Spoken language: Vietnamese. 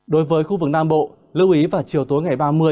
đối với khu vực nam bộ lưu ý vào chiều tối ngày ba mươi